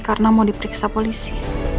karena mau diperiksa polisi